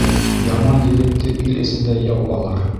Яман егетте ил эсендә яу алыр.